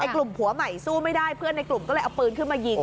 กลุ่มผัวใหม่สู้ไม่ได้เพื่อนในกลุ่มก็เลยเอาปืนขึ้นมายิง